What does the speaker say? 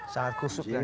sangat kusut ya